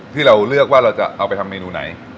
ที่เราเลือกว่าเราจะเอาไปทำเมนูไหน